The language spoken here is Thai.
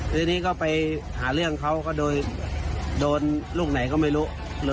ทีนี้ก็ไปหาเรื่องเขาก็โดยโดนลูกไหนก็ไม่รู้